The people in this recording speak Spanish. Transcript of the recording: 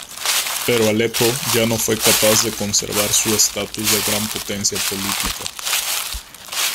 Pero Alepo ya no fue capaz de conservar su estatus de gran potencia política.